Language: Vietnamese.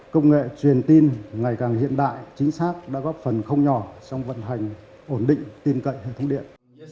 công nghệ truyền tin ngày càng hiện đại chính xác đã góp phần không nhỏ trong vận hành ổn định tin cậy hệ thống điện